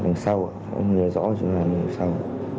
ừ đằng sau ạ ông nghe rõ chúng là đằng sau